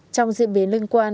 trong diễn biến liên quan